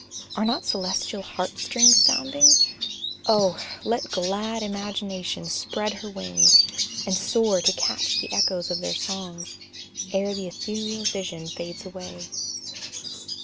Are not celestial harp strings sounding? Oh! Let glad imagination spread her wings, And soar to catch the echoes of their songs Ere the ethereal vision fades away.